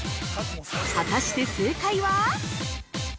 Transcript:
◆果たして、正解は。